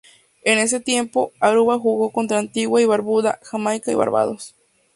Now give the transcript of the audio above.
En ese tiempo, Aruba jugó contra Antigua y Barbuda, Jamaica y Barbados.